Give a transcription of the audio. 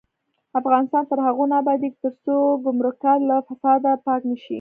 افغانستان تر هغو نه ابادیږي، ترڅو ګمرکات له فساده پاک نشي.